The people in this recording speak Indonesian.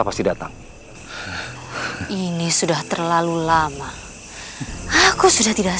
kita pasti akan menanggapi mereka banyak